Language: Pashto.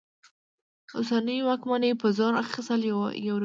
اوسنۍ واکمنۍ په زور اخیستل یو روایت دی.